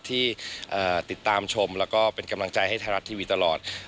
ที่ติดตามชมแล้วก็เป็นกำลังใจให้ไทยรัฐทีวีตลอด